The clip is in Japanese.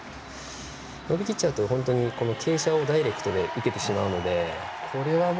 伸びきっちゃうと本当に傾斜をダイレクトに受けてしまうので。